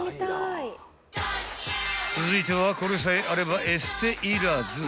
［続いてはこれさえあればエステいらず？］